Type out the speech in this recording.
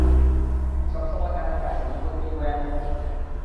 সবসময় কানের কাছে বিপদ নিয়ে বয়ান দিতে থাকে।